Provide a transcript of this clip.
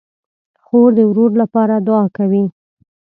خور د ورور لپاره دعا کوي.